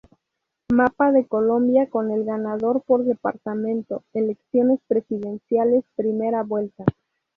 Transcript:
Mapa de Colombia con el ganador por departamento, Elecciones presidenciales Primera Vuelta